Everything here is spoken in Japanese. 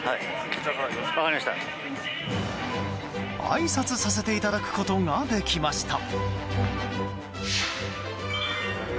あいさつさせていただくことができました。